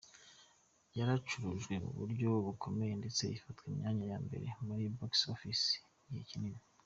Yaracurujwe mu buryo bukomeye ndetse ifata imyanya ya mbere muri Box Office igihe kinini.